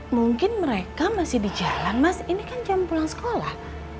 mungkin mereka masih di jalan mas ini kan jam pulang sekolah